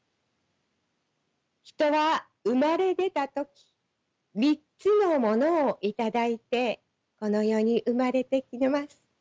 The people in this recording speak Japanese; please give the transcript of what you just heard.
人は生まれ出た時３つのものを頂いてこの世に生まれてきます。